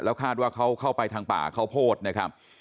แล้วคาดว่าเขาเข้าไปทางป่าเขาโพธนะครับ